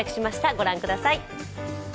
ご覧ください。